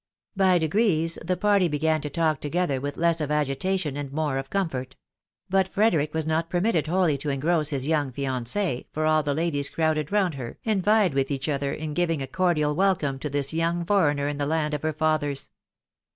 By degrees the party began to talk together with less of agitation and more of comfort; but Frederick was not permitted wholly to engross his young fiancee, for all the ladies crowded round her, and vied with each other in giving a cordial wel come to this young foreigner on the land of her fathers.